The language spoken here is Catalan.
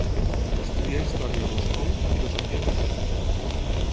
Estudià història a Moscou i filosofia a Berlín.